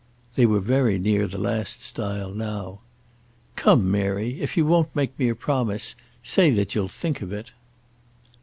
They were very near the last stile now. "Come, Mary, if you won't make me a promise, say that you'll think of it."